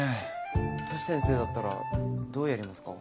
トシ先生だったらどうやりますか？